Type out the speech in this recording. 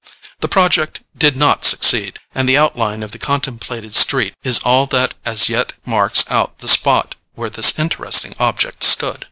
The project did not succeed, and the outline of the contemplated street is all that as yet marks out the spot where this interesting object stood.